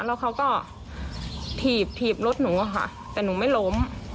แล้วเขาก็ถีบถีบรถหนูอะค่ะแต่หนูไม่ล้ม